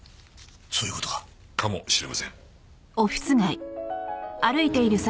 そういう事か？かもしれません。